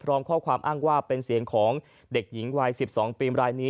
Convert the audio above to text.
พร้อมข้อความอ้างว่าเป็นเสียงของเด็กหญิงวัย๑๒ปีรายนี้